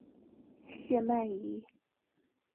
谢曼怡。